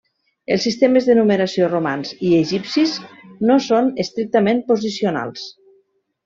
Els sistemes de numeració romans i egipcis no són estrictament posicionals.